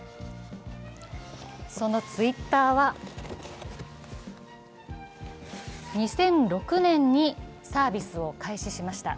そのＴｗｉｔｔｅｒは２００６年にサービスを開始しました。